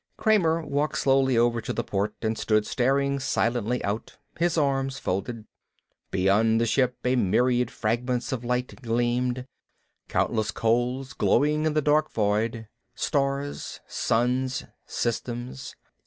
Kramer walked slowly over to the port and stood staring silently out, his arms folded. Beyond the ship a myriad fragments of light gleamed, countless coals glowing in the dark void. Stars, suns, systems.